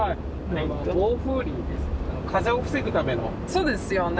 そうですよね。